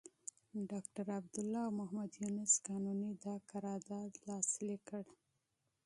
ډاکټر عبدالله او محمد یونس قانوني دا قرارداد لاسليک کړ.